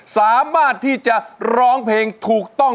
สามารถที่จะร้องเพลงถูกต้อง